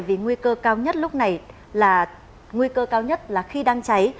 vì nguy cơ cao nhất lúc này là khi đang cháy